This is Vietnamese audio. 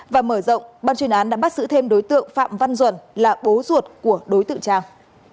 và mở rộng ban chuyên án đã bắt giữ thêm đối tượng phạm văn duẩn là bố ruột của đối tượng trang